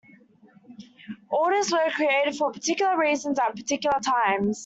Orders were created for particular reasons at particular times.